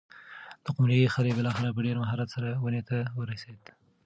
د قمرۍ خلی بالاخره په ډېر مهارت سره ونې ته ورسېد.